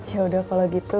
yaudah kalau gitu